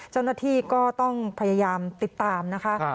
เจ้าหน้าที่ก็ต้องพยายามติดตามนะคะ